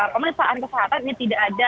pemaksaan kesehatan ini tidak ada